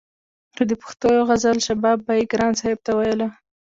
خو د پښتو غزل شباب به يې ګران صاحب ته ويلو